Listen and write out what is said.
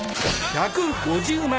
１５０万！